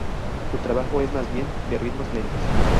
Su trabajo es más bien de ritmos lentos.